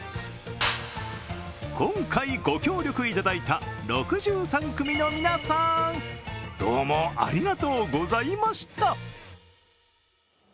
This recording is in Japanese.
今回ご協力いただいた６３組の皆さんどうもありがとうございました。